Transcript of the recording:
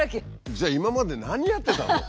じゃあ今まで何やってたの？